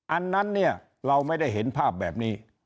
อันนั้นเนี่ยเราไม่ได้เห็นภาพแบบนี้